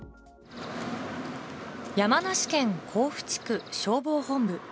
山梨県甲府地区消防本部。